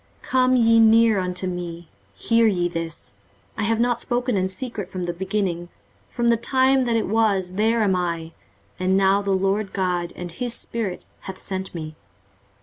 23:048:016 Come ye near unto me, hear ye this; I have not spoken in secret from the beginning; from the time that it was, there am I: and now the Lord GOD, and his Spirit, hath sent me.